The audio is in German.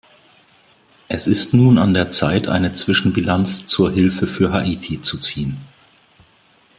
Es ist nun an der Zeit eine Zwischenbilanz zur Hilfe für Haiti zu ziehen.